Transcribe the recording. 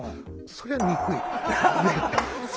そりゃ憎い。